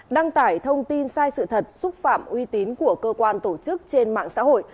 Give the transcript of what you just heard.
đăng tải thông tin sai sự thật xúc phạm uy tín của cơ quan tổ chức trên mạng xã hội